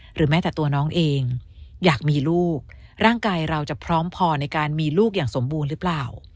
หรือแม้แต่ตัวน้องเองอยากมีลูกร่างกายเราจะพร้อมพอในการมีลูกอย่างสมบูรณ์หรือเปล่า